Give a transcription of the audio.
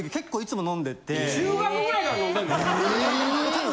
中学ぐらいから飲んでんの？